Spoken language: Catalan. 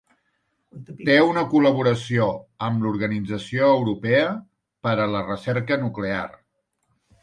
Té una col·laboració amb l'Organització Europea per a la Recerca Nuclear.